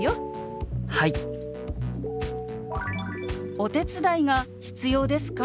「お手伝いが必要ですか？」。